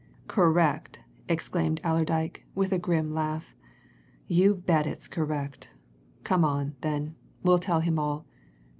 "Correct!" exclaimed Allerdyke, with a grim laugh. "You bet it's correct! Come on, then we'll tell him all.